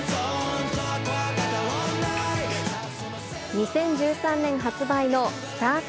２０１３年発売のスタート